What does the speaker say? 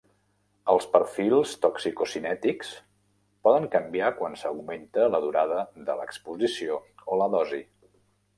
Els perfils toxicocinètics poden canviar quan s'augmenta la durada de l'exposició o la dosi.